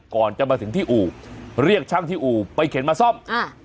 ก่อนจะมาถึงที่อู่เรียกช่างที่อู่ไปเข็นมาซ่อมอ่า